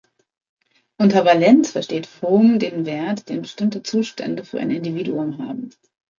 Unter Valenz versteht Vroom den Wert, den bestimmte Zustände für ein Individuum haben.